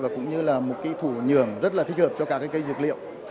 và cũng như là một cái thủ nhường rất là thích hợp cho các cái cây dược liệu